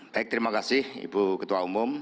baik terima kasih ibu ketua umum